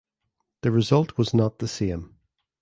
The result was not the same.